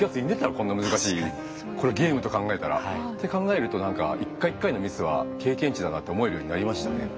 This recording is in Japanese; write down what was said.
こんな難しいこれをゲームと考えたら。って考えると何か一回一回のミスは経験値だなと思えるようになりましたね。